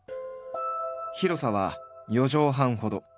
広さは４畳半ほど。